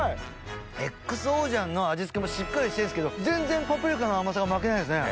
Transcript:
ＸＯ醤の味付けもしっかりしてるんですけど全然パプリカの甘さが負けないですね。